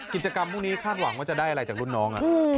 กิจกรรมพวกนี้คาดหวังว่าจะได้อะไรจากรุ่นน้อง